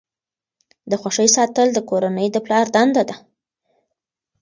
د خوښۍ ساتل د کورنۍ د پلار دنده ده.